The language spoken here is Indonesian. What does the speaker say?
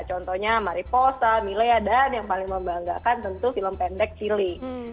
contohnya mariposa milea dan yang paling membanggakan tentu film pendek cili